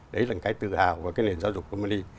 đấy là cái tự hào và cái nền giáo dục của jumani